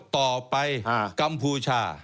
ต่อไปกัมพูชา